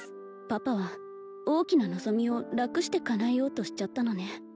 パパは大きな望みを楽して叶えようとしちゃったのね